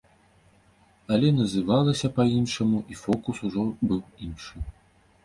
Але называлася па-іншаму, і фокус ужо быў іншы.